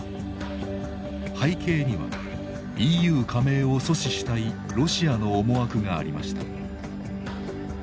背景にはＥＵ加盟を阻止したいロシアの思惑がありました。